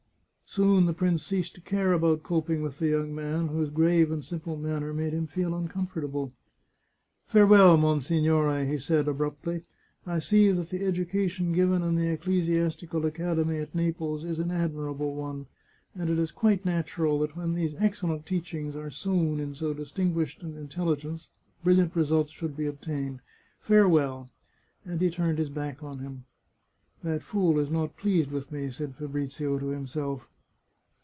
Soon the prince ceased to care about coping with the young man, whose grave and simple manner made him feel uncomfortable. " Farewell, monsignore," he said abruptly. " I see that the education given in the Ecclesiastical Academy at Naples is an admirable one, and it is quite natural that when these excellent teachings are sown in so distinguished an intelli gence, brilliant results should be obtained. Farewell !" And he turned his back on him. " That fool is not pleased with me," said Fabrizio to himself.